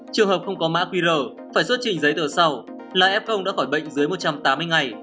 trường hợp không có má quý rờ phải xuất trình giấy tờ sau là f đã khỏi bệnh dưới một trăm tám mươi ngày